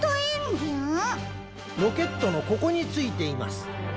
ロケットのここについています。